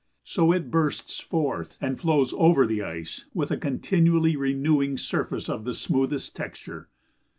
So it bursts forth and flows over the ice with a continually renewing surface of the smoothest texture.